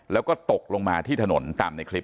แล้วก็ตกลงมาที่ถนนตามในคลิป